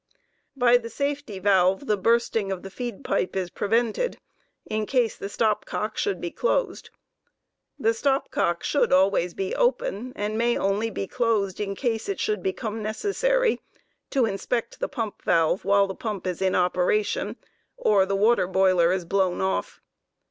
By the safety valve 43 the bursting of the feed pipe is prevented, in case the stop cock 44 should be closed. The stop cock should always be open, and may only be closed in case it should become necessary to inspect the pump valve while the pump is in operation, or the boiler water is blown off.